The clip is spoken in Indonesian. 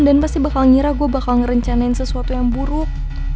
pasti bakal ngira gue bakal ngerencanain sesuatu yang buruk